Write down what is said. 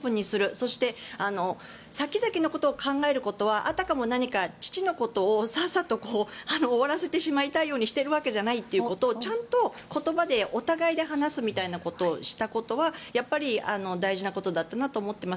そして、先々のことを考えることはあたかも何か、父のことをさっさと終わらせてしまいたいとしているわけじゃないとちゃんと言葉でお互いで話すみたいなことをしたことはやっぱり大事なことだったなと思っています。